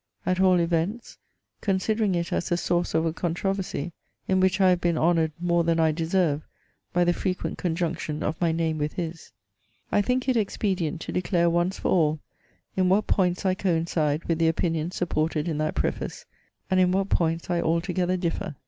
At all events, considering it as the source of a controversy, in which I have been honoured more than I deserve by the frequent conjunction of my name with his, I think it expedient to declare once for all, in what points I coincide with the opinions supported in that preface, and in what points I altogether differ.